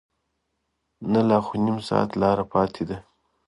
نه لا خو نیم ساعت لاره پاتې ده.